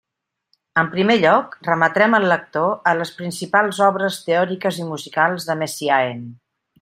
En primer lloc, remetrem el lector a les principals obres teòriques i musicals de Messiaen.